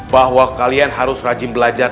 bahwa kalian harus rajin belajar